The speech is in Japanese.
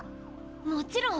もちろん！